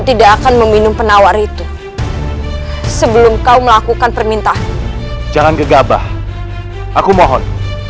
tidak akan meminum penawar itu sebelum kau melakukan permintaan jangan gegabah aku mohon